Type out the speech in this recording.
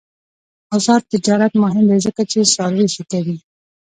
آزاد تجارت مهم دی ځکه چې څاروي ښه کوي.